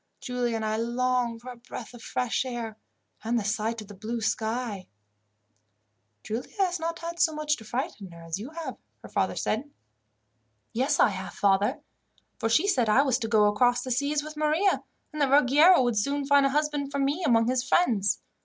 Giulia and I long for a breath of fresh air, and the sight of the blue sky." "Giulia has not had so much to frighten her as you have," her father said. "Yes, I have, father; for she said I was to go across the seas with Maria, and that Ruggiero would soon find a husband for me among his friends.